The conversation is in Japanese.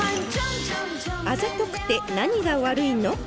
「あざとくて何が悪いの？」